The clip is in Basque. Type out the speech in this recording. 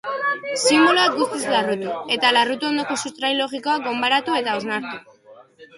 Sinboloak guztiz larrutu, eta larrutu ondoko sustrai logikoa gonbaratu eta hausnartu.